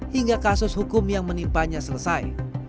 hingga kasus hukum yang menimpanya selesai